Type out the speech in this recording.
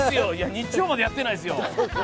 日曜まではやってないですよ！